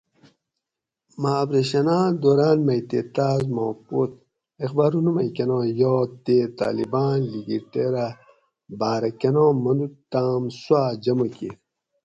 مہ اپریشن آۤں دوراۤن مئ تے تاۤس ما پوت اخباۤرونہ مئ کۤنا یات تے طاۤلباۤن لِکِٹیر اۤ باۤرہ کۤناں منُوت تام سواۤ جمع کِیت